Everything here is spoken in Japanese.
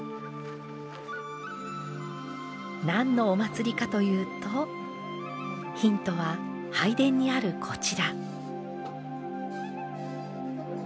何のお祭りかというとヒントは拝殿にあるこちら。